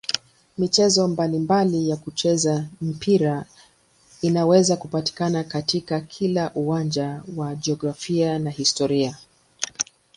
Michezo mbalimbali ya kuchezea mpira inaweza kupatikana katika kila uwanja wa jiografia na historia.